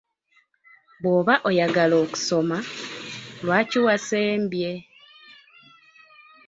Bw’oba oyagala okusoma, lwaki wasembye?